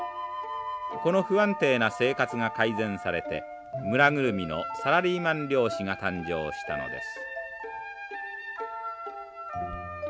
この不安定な生活が改善されて村ぐるみのサラリーマン漁師が誕生したのです。